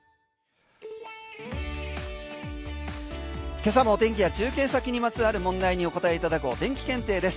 今朝も天気は中継先にまつわる問題にお答えいただくお天気検定です。